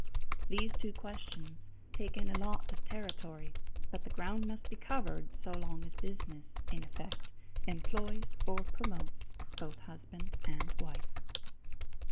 These two questions take in a lot of territory, but the ground must be covered so long as business, in effect, employs or promotes both husband and wife.